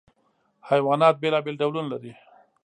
حیوانات بېلابېل ډولونه لري.